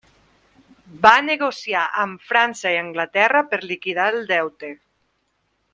Va negociar amb França i Anglaterra per liquidar el deute.